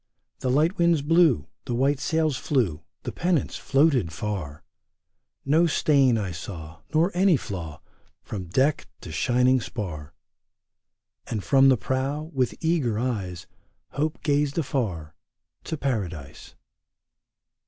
The light winds blew, The white sails flew, The pennants floated far ; No stain I saw. Nor any flaw. From deck to shining spar ! And from the prow, with eager eyes, Hope gazed afar — to Paradise.